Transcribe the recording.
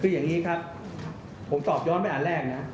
คืออย่างนี้ครับผมตอบย้อนไปอันแรกนะ